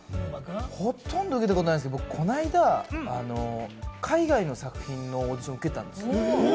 ほとんど受けたことないんですけれども、僕、この間、海外の作品のオーディションを受けたんですよ。